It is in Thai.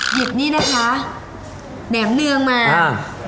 หยิบนี่นะคะแหนมเนืองมาอ่า